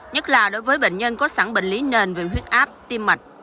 nhất là đối với bệnh nhân có sẵn bệnh lý nền về huyết áp tim mạch